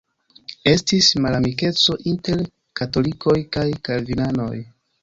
Estis malamikeco inter katolikoj kaj kalvinanoj.